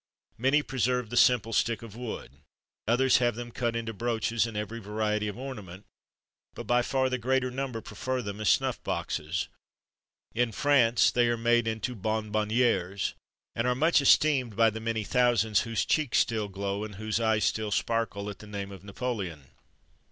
Many preserve the simple stick of wood; others have them cut into brooches and every variety of ornament; but by far the greater number prefer them as snuff boxes. In France they are made into bonbonnières, and are much esteemed by the many thousands whose cheeks still glow and whose eyes still sparkle at the name of Napoleon.